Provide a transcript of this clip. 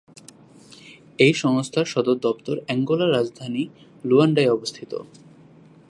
এই সংস্থার সদর দপ্তর অ্যাঙ্গোলার রাজধানী লুয়ান্ডায় অবস্থিত।